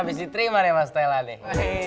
habis diterima deh mas stella deh